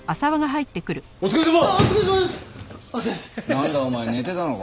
なんだお前寝てたのか？